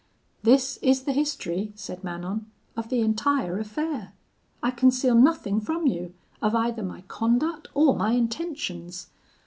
"'This is the history,' said Manon, 'of the entire affair. I conceal nothing from you, of either my conduct or my intentions.